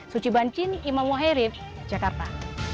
suci bancin imam wahirib jakarta